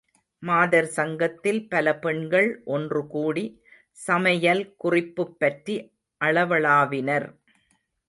மாதர் சங்கத்தில் பல பெண்கள் ஒன்றுகூடி சமையல் குறிப்புப் பற்றி அளவளாவினர்.